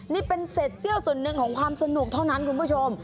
นี่เป็นเศษเปรี้ยวส่วนหนึ่งของความสนุกเท่านั้นคุณผู้ชม